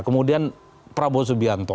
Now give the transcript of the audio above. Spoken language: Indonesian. kemudian prabowo subianto